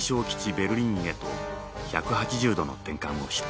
ベルリンへと１８０度の転換をした。